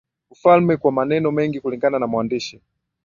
ufalme Kwa maneno mengine kulingana na mwandishi